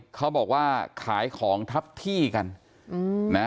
เขาบอกว่าขายของทับที่กันนะ